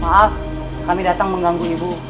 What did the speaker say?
maaf kami datang mengganggu ibu